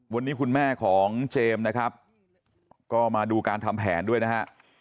วันนี้คุณแม่ของเจมส์นะครับก็มาดูการทำแผนด้วยนะฮะ